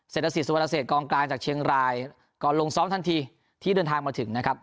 เศรษฐศิษวรรเศษกองกลางจากเชียงรายก่อนลงซ้อมทันทีที่เดินทางมาถึงนะครับ